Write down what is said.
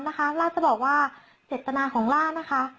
ฉันจะบอกว่าเศรษฐนาของฉัน